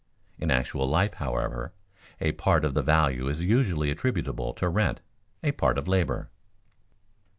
In actual life, however, a part of the value is usually attributable to rent, a part to labor.